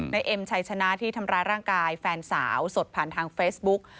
เอ็มชัยชนะที่ทำร้ายร่างกายแฟนสาวสดผ่านทางเฟซบุ๊ก